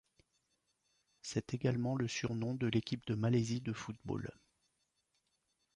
C'est également le surnom de l'équipe de Malaisie de football.